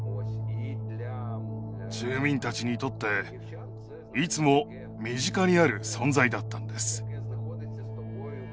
住民たちにとっていつも身近にある存在だったんです。